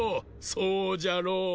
そうじゃろう。